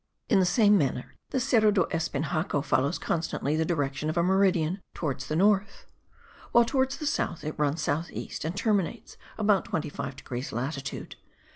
In the same manner the Serra do Espinhaco follows constantly the direction of a meridian, towards the north; while towards the south it runs south east, and terminates about 25 degrees latitude.